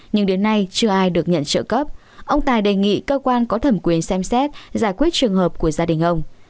nhưng đến nay chưa ai được nhận trợ cấp ông tài đề nghị cơ quan có thẩm quyền xem xét giải quyết trường hợp của gia đình ông